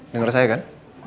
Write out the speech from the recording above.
dengar saya kan